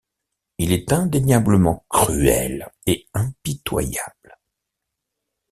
Il est indéniablement cruel et impitoyable.